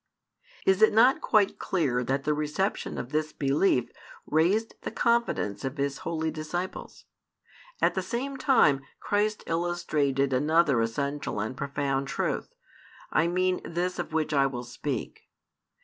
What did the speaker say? Is it not quite clear that the reception of this belief raised the confidence of His holy disciples? At the same time, Christ illustrated another essential and profound truth I mean this of which I will speak.